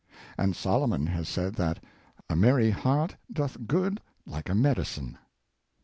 And Solomon has said that " a merry heart doeth good like a medicine."